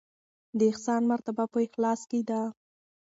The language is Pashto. د احسان مرتبه په اخلاص کې ده.